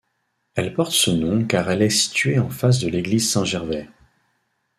Elle porte ce nom car elle est située en face de l'église Saint-Gervais.